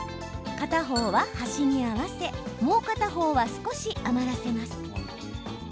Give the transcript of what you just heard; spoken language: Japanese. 片方は端に合わせもう片方は少し余らせます。